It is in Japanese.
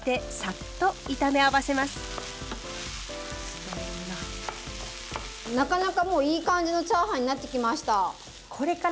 パラパラになったらなかなかもういい感じのチャーハンになってきました。